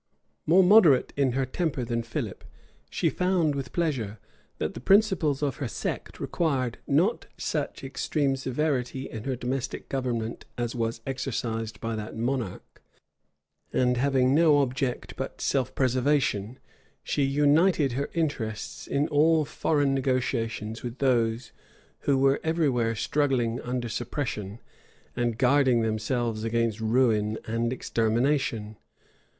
More moderate in her temper than Philip, she found, with pleasure, that the principles of her sect required not such extreme severity in her domestic government as was exercised by that monarch; and having no object but self preservation, she united her interests in all foreign negotiations with those who were every where struggling under oppression, and guarding themselves against ruin and extermination.